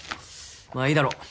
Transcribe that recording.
まあいいだろう。